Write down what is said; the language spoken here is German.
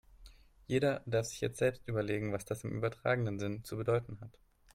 Jeder darf sich jetzt selbst überlegen, was das im übertragenen Sinne zu bedeuten hat.